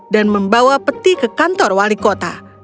dan membawa peti ke kantor wali kota